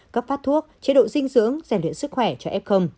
gấp phát thuốc chế độ dinh dưỡng giải luyện sức khỏe cho f